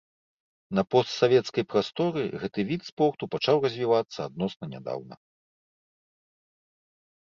На постсавецкай прасторы гэты від спорту пачаў развівацца адносна нядаўна.